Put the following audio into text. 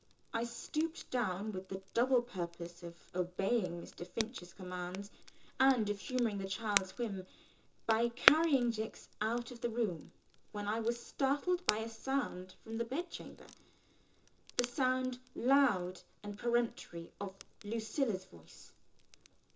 I stooped down with the double purpose of obeying Mr. Finch's commands and of humouring the child's whim, by carrying Jicks out of the room, when I was startled by a sound from the bed chamber the sound, loud and peremptory, of Lucilla's voice.